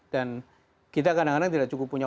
dan kita kadang kadang tidak cukup punya